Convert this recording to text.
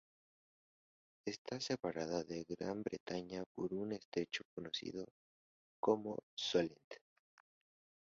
Está separada de Gran Bretaña por un estrecho conocido como Solent.